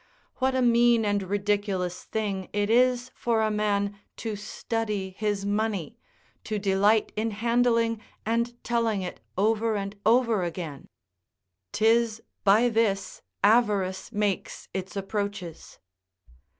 What a mean and ridiculous thing it is for a man to study his money, to delight in handling and telling it over and over again! 'Tis by this avarice makes its approaches.